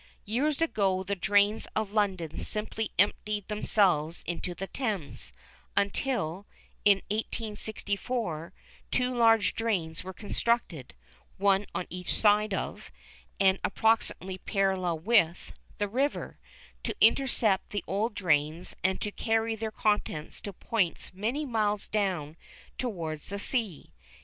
Years ago the drains of London simply emptied themselves into the Thames, until, in 1864, two large drains were constructed, one on each side of, and approximately parallel with, the river, to intercept the old drains and to carry their contents to points many miles down towards the sea.